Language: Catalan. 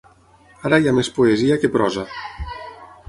Ara hi ha més poesia que prosa.